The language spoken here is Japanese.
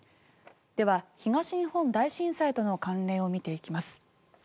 では、東日本大震災との関連を見ていきます。